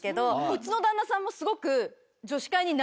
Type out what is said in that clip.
うちの旦那さんもすごく。